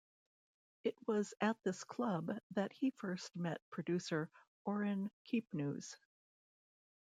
It was at this club that he first met producer Orrin Keepnews.